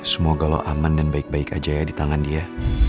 semoga lo aman dan baik baik aja ya di tangan dia